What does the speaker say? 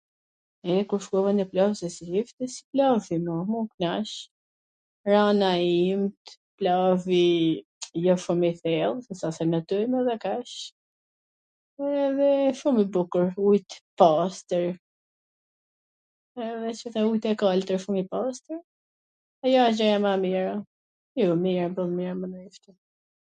Nji her kur shkova nw plazh, se s njifesh plazhi, m u knaq, rana imt, plazhi jo shum i thell, ... edhe kaq, edhe shum i bukur, ujt po, pastwr, edhe qe ata ujt e kaltwr, shum i pastwr, ajo qe ajo gjaja ma e mira, jo mirboll mana ishte